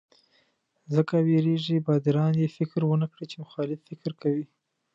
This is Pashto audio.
ځکه وېرېږي باداران یې فکر ونکړي چې مخالف فکر کوي.